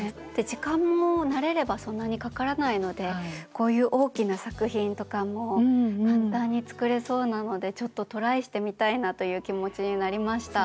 時間も慣れればそんなにかからないのでこういう大きな作品とかも簡単に作れそうなのでちょっとトライしてみたいなという気持ちになりました。